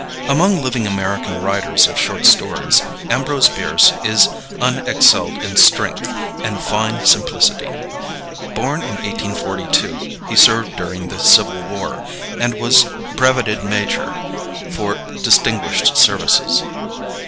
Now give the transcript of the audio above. Among living American writers of short stories, Ambrose Bierce is un excelled in strength and fine simplicity. Born in 1842, he served during the Civil War, and was brevetted major for distinguished services.